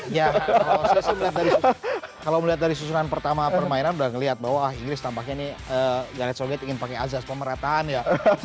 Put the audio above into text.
ya saya sih kalau melihat dari susunan pertama permainan udah ngelihat bahwa inggris tampaknya ini galet sogate ingin pakai azaz pemerataan ya